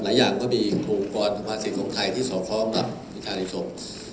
หลายอย่างก็มีองค์กรสภาษีทรงไทยที่สอดคล้อมกับอิทราณีศพ